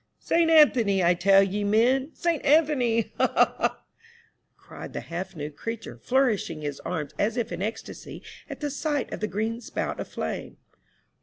*' Saint Anthony, I tell ye, men ! Saint Anthony, ha, ha, ha !" cried the half nude creature, flourishing his arms as if in ecstasy at the sight of the green spout of flame.